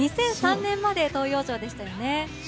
２００３年まで東陽町でしたよね。